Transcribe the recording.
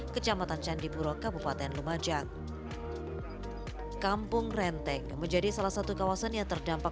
kecamatan candipuro kabupaten lumajang kampung renteng menjadi salah satu kawasan yang terdampak